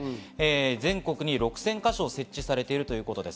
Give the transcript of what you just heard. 全国に６０００か所設置されているということです。